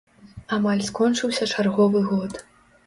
Амаль скончыўся чарговы год.